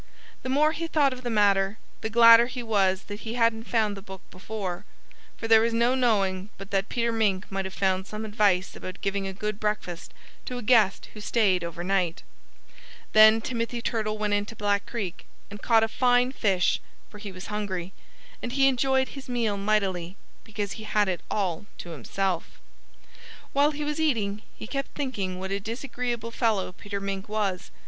The more he thought of the matter, the gladder he was that he hadn't found the book before. For there was no knowing but that Peter Mink might have found some advice about giving a good breakfast to a guest who stayed over night. Then Timothy Turtle went into Black Creek and caught a fine fish, for he was hungry. And he enjoyed his meal mightily, because he had it all to himself. While he was eating he kept thinking what a disagreeable fellow Peter Mink was.